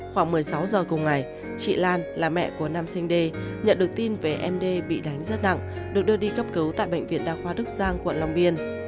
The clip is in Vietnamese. khoảng một mươi sáu giờ cùng ngày chị lan là mẹ của nam sinh d nhận được tin về em đê bị đánh rất nặng được đưa đi cấp cứu tại bệnh viện đa khoa đức giang quận long biên